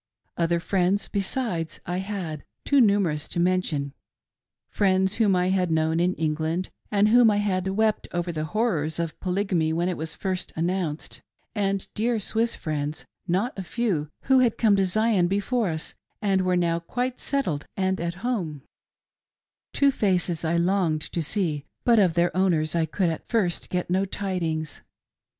Other friends, be^es, I had, too numerous to mention — friends whom I had known in England, with whom I had wept over the horrors of Polygamy when it was first an nounced ; and dear Swiss friends, not a few, who had come to Zion before us and were now quite settled and at home; Two faces I longed to see, but of their owners I could at first get no tidings.